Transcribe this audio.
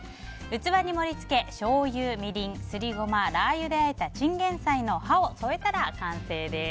器に盛り付けしょうゆ、みりん、すりゴマラー油であえたチンゲンサイの葉を添えたら完成です。